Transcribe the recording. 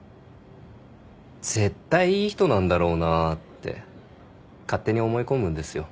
絶対いい人なんだろうなって勝手に思い込むんですよ。